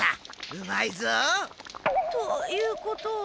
うまいぞ。ということは。